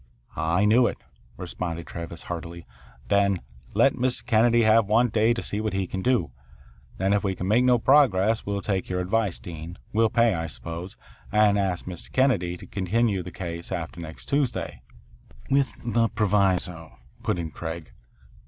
"I knew it," responded Travis heartily. "Then let Mr. Kennedy have one day to see what he can do. Then if we make no progress we'll take your advice, Dean. We'll pay, I suppose, and ask Mr. Kennedy to continue the case after next Tuesday." "With the proviso," put in Craig.